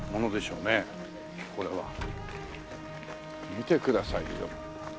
見てくださいよ。